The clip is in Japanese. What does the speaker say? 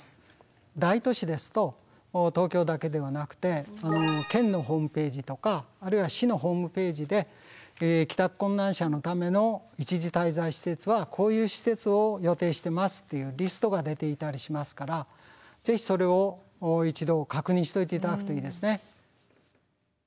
大都市ですと東京だけではなくて県のホームページとかあるいは市のホームページで帰宅困難者のための一時滞在施設はこういう施設を予定してますというリストが出ていたりしますからぜひそれを一度確認しといて頂くといいですね。